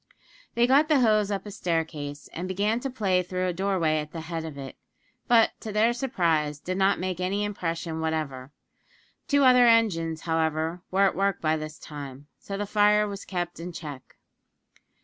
They got the hose up a staircase, and began to play through a doorway at the head of it; but, to their surprise, did not make any impression whatever. Two other engines, however, were at work by this time so the fire was kept in check.